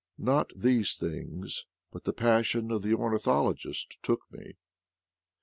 Not these things, but the passion of the ornithologist took me.